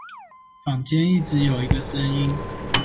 坊間一直有一個聲音